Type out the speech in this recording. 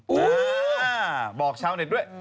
เออบอกชาวเน็ตด้วย